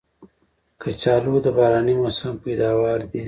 کچالو د باراني موسم پیداوار دی